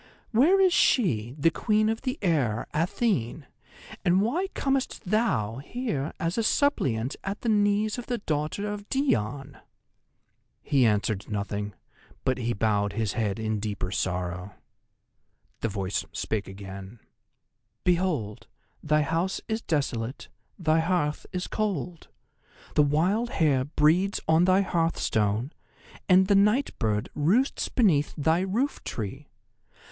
Where is she, the Queen of the Air, Athene, and why comest thou here as a suppliant at the knees of the daughter of Dione?" He answered nothing, but he bowed his head in deeper sorrow. The voice spake again: "Behold, thy house is desolate; thy hearth is cold. The wild hare breeds on thy hearthstone, and the night bird roosts beneath thy roof tree.